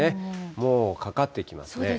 もうかかってきますね。